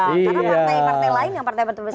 karena partai partai lain yang partai yang penting besar